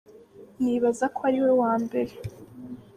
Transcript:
"Nibaza ko ari we wa mbere.